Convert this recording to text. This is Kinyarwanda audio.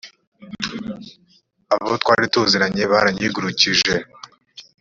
abo twari tuziranye baranyigurukije